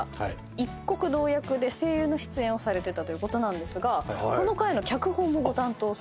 一刻堂役で声優の出演をされてたということなんですがこの回の脚本もご担当されてた。